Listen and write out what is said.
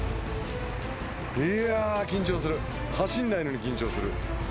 いや緊張する走んないのに緊張する。